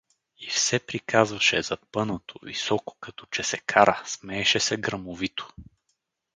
И все приказваше, запънато, високо, като че се кара, смееше се гръмовито.